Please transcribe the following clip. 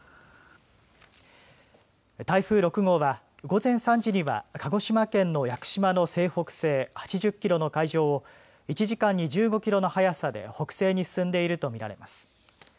台風６号は午前３時には鹿児島県の屋久島の西北西８０キロの海上を１時間に１５キロの速さで北西に進んでいると見られます。